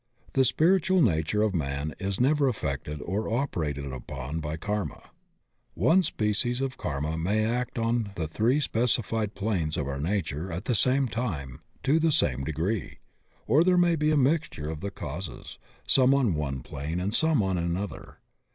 The spiritual nature of man is never affected or operated upon by karma. One species of karma may act on the three specified planes of our nature at the same time to the same degree, or there may be a mixture of the causes, some on one plane and some on another.